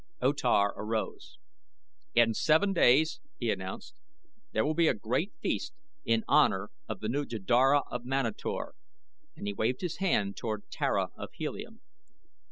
O Tar arose. "In seven days," he announced, "there will be a great feast in honor of the new Jeddara of Manator," and he waved his hand toward Tara of Helium.